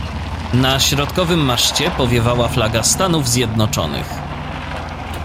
"Na środkowym maszcie powiewała flaga Stanów Zjednoczonych."